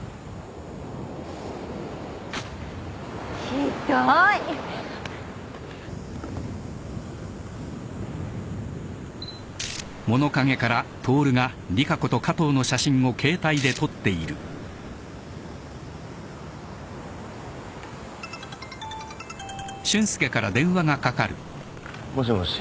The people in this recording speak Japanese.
ひどい。もしもし。